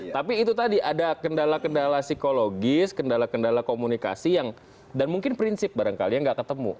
tapi itu tadi ada kendala kendala psikologis kendala kendala komunikasi yang dan mungkin prinsip barangkali yang nggak ketemu